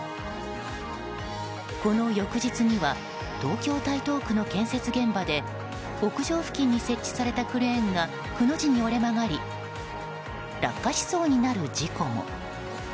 この翌日には東京・台東区の建設現場で屋上付近に設置されたクレーンがくの字に折れ曲がり落下しそうになる事故も。